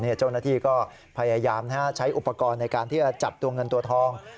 เจ้าหน้าที่ก็พยายามใช้อุปกรณ์ในการที่จะจับตัวเงินตัวทอง